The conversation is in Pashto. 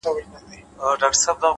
پوهه له تجربې ژورېږي’